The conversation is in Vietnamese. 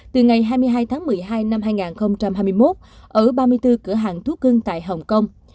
từ ngày hai mươi hai tháng một mươi hai năm hai nghìn hai mươi một ở ba mươi bốn cửa hàng thuốc cưng tại hồng kông